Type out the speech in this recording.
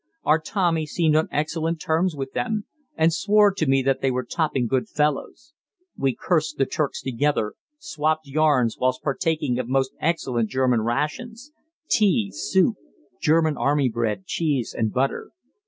Our Tommy seemed on excellent terms with them, and swore to me that they were topping good fellows. We cursed the Turks together, swopped yarns, whilst partaking of most excellent German rations tea, soup, German army bread, cheese, and butter.